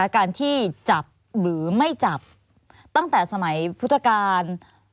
การที่จับหรือไม่จับตั้งแต่สมัยพุทธกาล